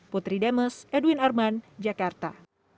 putri demes edwin arman jakarta